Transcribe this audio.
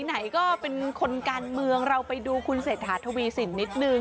ไหนก็เป็นคนการเมืองเราไปดูคุณเศรษฐาทวีสินนิดนึง